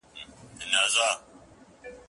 ویل قیامت یې ویل محشر یې